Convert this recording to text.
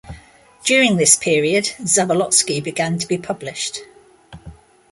During this period, Zabolotsky began to be published.